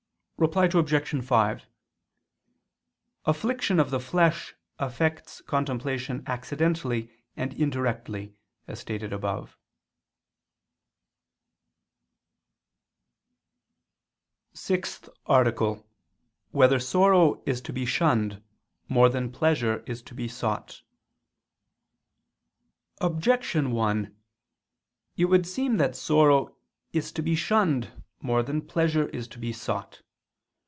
Reply Obj. 5: Affliction of the flesh affects contemplation accidentally and indirectly, as stated above. ________________________ SIXTH ARTICLE [I II, Q. 35, Art. 6] Whether Sorrow Is to Be Shunned More Than Pleasure Is to Be Sought? Objection 1: It would seem that sorrow is to be shunned more than pleasure is to be sought.